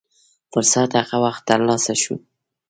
فرصت هغه وخت تر لاسه شو.